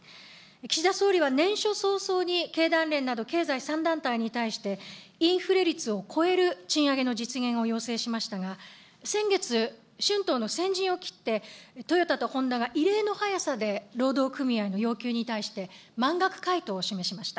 岸田総理は年初早々に、経団連など経済３団体に対して、インフレ率を超える賃上げの実現を要請しましたが、先月、春闘の先陣を切って、トヨタとホンダが異例の早さで労働組合の要求に対して、満額回答を示しました。